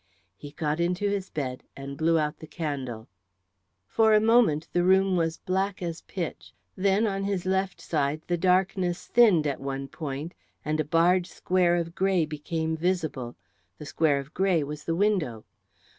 He got into his bed and blew out the candle. For a moment the room was black as pitch, then on his left side the darkness thinned at one point and a barred square of grey became visible; the square of grey was the window.